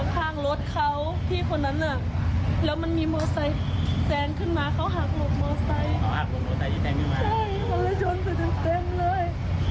ใช่เขาเลยจนเสร็จเส้นเลย